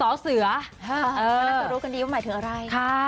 นักศึกษ์รู้กันดีว่าหมายถึงอะไร